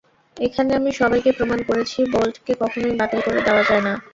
এখানে আমি সবাইকে প্রমাণ করেছি, বোল্টকে কখনোই বাতিল করে দেওয়া যায় না।